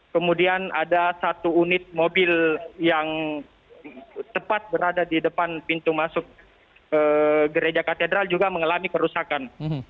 kemudian ada satu unit mobil yang tepat berada di depan pintu masuk gereja katedral juga mengalami kerusakan